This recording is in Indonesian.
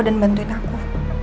dan bantu bantu aku